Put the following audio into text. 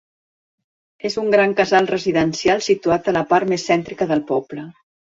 És un gran casal residencial situat a la part més cèntrica del poble.